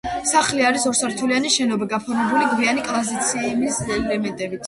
სახლი არის ორსართულიანი შენობა, გაფორმებული გვიანი კლასიციზმის ელემენტებით.